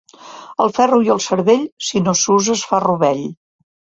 El ferro i el cervell, si no s'usa, es fa rovell.